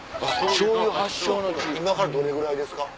今からどれぐらいですか？